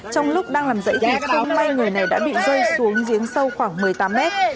trong lúc đang làm dậy thì không may người này đã bị rơi xuống giếng sâu khoảng một mươi tám mét